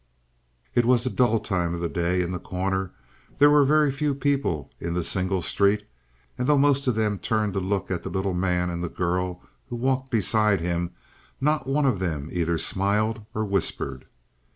It was the dull time of the day in The Corner. There were very few people in the single street, and though most of them turned to look at the little man and the girl who walked beside him, not one of them either smiled or whispered.